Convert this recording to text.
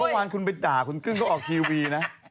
เห็นว่างคุณไปด่าคุณกึ้งก็ออกทีวีนะ